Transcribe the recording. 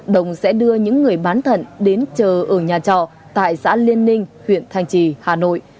đồng sẽ đưa những người bán thận đến chờ ở nhà trọ tại xã liên ninh huyện thanh trì hà nội